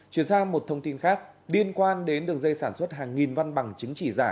chuyển sang một thông tin khác liên quan đến đường dây sản xuất hàng nghìn văn bằng chứng chỉ giả